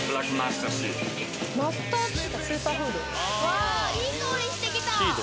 わいい香りしてきた。